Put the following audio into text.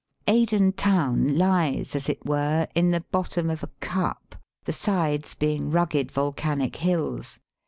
Aden town lies, as it were, in the bottom of a cup, the sides being rugged volcanic hills.